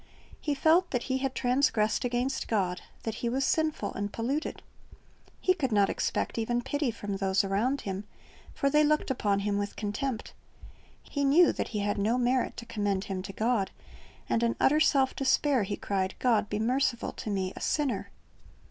He felt that he had transgressed against God, that he was sinful and polluted. He could not expect even pity from those around him; for they looked upon him with contempt. He knew that he had no merit to commend him to God, and in utter self despair he cried, "God be merciful to me, a sinner."